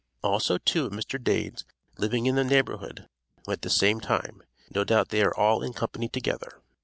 Also two of Mr. Dade's, living in the neighborhood, went the same time; no doubt they are all in company together.